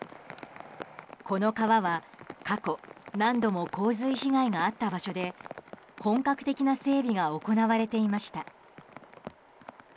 この川は過去何度も洪水被害があった場所で本格的な整備が行われていました。